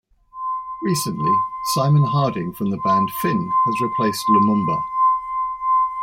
Recently, Simon Harding from the band Fin has replaced Lumumba.